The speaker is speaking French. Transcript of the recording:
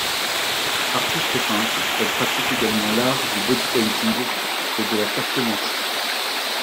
Artiste peintre, elle pratique également l'art du bodypainting et de la cartomancie.